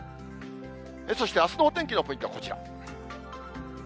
そしてあすのお天気のポイントはこちら。